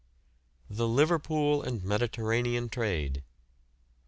THE LIVERPOOL AND MEDITERRANEAN TRADE.